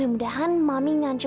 mami tidak akan berangkat lagi